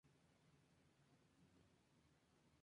Diego de Monzón.